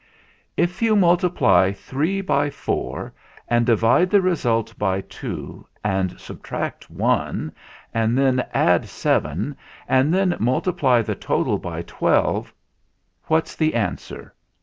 "If you multiply three by four, and divide the result by two, and subtract one, and then add seven, and then multiply the total by twelve, what's the answer